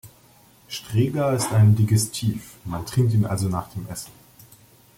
Strega ist ein Digestif, man trinkt ihn also nach dem Essen.